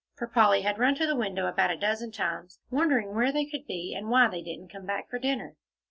For Polly had run to the window about a dozen times, wondering where they could be, and why they didn't come back for dinner.